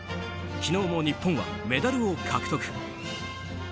昨日も日本はメダルを獲得。